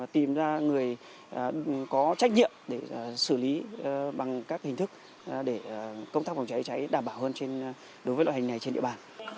tìm ra người có trách nhiệm để xử lý bằng các hình thức để công tác phòng cháy cháy đảm bảo hơn đối với loại hình này trên địa bàn